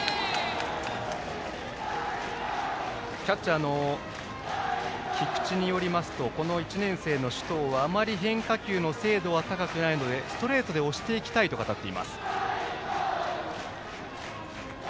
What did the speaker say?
キャッチャーの菊池によりますとこの１年生の首藤はあまり変化球の精度は高くないのでストレートで押していきたいと語っています。